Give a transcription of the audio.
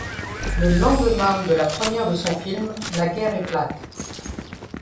Le lendemain de la première de son film, la guerre éclate.